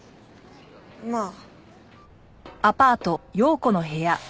まあ。